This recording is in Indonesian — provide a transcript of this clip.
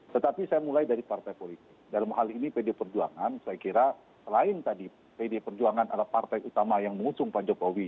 tetapi saya mulai dari partai politik dalam hal ini pd perjuangan saya kira selain tadi pd perjuangan adalah partai utama yang mengusung pak jokowi